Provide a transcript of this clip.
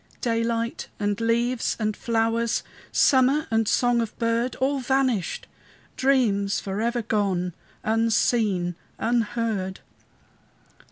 Daylight and leaves and flowers, Summer and song of bird! All vanished! dreams forever gone, Unseen, unheard!